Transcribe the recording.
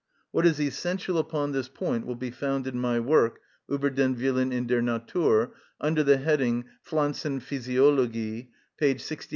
What is essential upon this point will be found in my work, "Ueber den Willen in der Natur," under the heading, "Pflanzenphysiologie" (p.